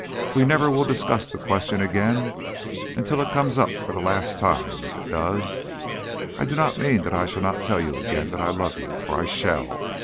We never will discuss the question again until it comes up for the last time if it does. I do not mean that I shall not tell you again that I love you, for I shall.